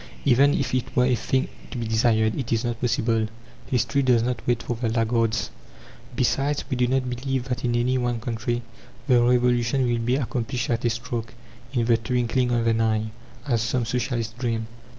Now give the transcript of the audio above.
Even if it were a thing to be desired, it is not possible. History does not wait for the laggards. Besides, we do not believe that in any one country the Revolution will be accomplished at a stroke, in the twinkling of an eye, as some socialists dream.